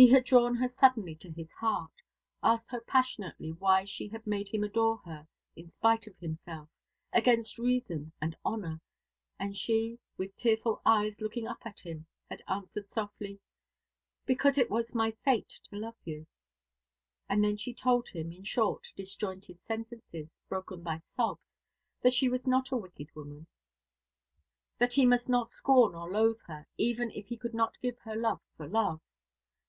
He had drawn her suddenly to his heart, asked her passionately why she had made him adore her, in spite of himself, against reason and honour; and she, with tearful eyes looking up at him, had answered softly, "Because it was my fate to love you;" and then she told him, in short, disjointed sentences, broken by sobs, that she was not a wicked woman, that he must not scorn or loathe her, even if he could not give her love for love.